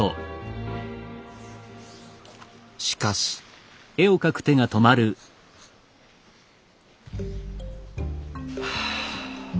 しかし。はあ。